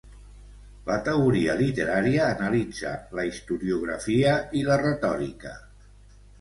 La teoria literària analitza la historiografia i la retòrica.